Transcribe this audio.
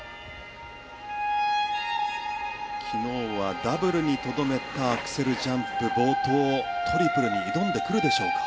昨日はダブルにとどめたアクセルジャンプ冒頭、トリプルに挑んでくるでしょうか。